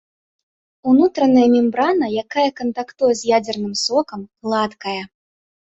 Унутраная мембрана, якая кантактуе з ядзерным сокам, гладкая.